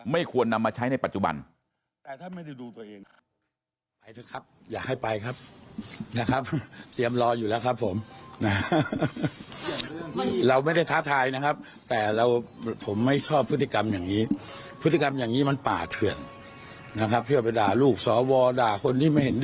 ไม่ควรนำมาใช้ในปัจจุบัน